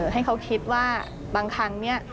ให้เขาคิดว่าบางครั้งเนี่ย